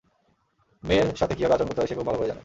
মেয়ের সাথে কিভাবে আচরণ করতে হয় সে খুব ভালো করেই জানে।